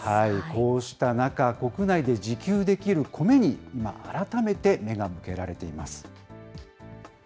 こうした中、国内で自給できるコメに今、改めて目が向けられています。